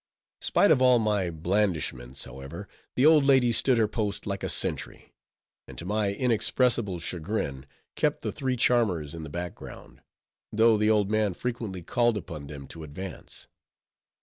Spite of all my blandishments, however, the old lady stood her post like a sentry; and to my inexpressible chagrin, kept the three charmers in the background, though the old man frequently called upon them to advance.